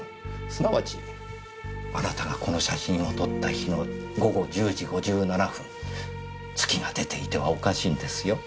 すなわちあなたがこの写真を撮った日の午後１０時５７分月が出ていてはおかしいんですよ。